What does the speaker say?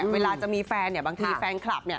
เวลาจะมีแฟนบางทีแฟนคลับ